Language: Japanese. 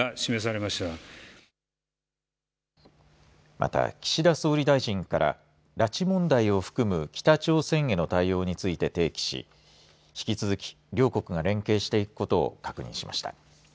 また岸田総理大臣から拉致問題を含む北朝鮮への対応について提起し引き続き両国が連携していくことを確認しました。